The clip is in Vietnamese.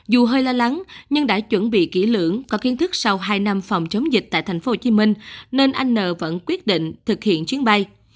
dù hơi lo lắng nhưng đã chuẩn bị kỹ lưỡng có kiến thức sau hai năm phòng chống dịch tại tp hcm nên anh n vẫn quyết định thực hiện chuyến bay